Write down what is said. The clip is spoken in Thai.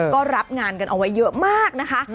ก็รับงานกันเอาไว้เยอะมากนะคะ